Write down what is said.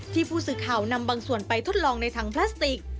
ผู้สื่อข่าวนำบางส่วนไปทดลองในถังพลาสติก